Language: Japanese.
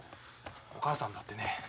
お母さんだってね